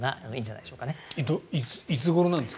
いつごろなんですか？